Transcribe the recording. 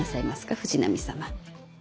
藤波様。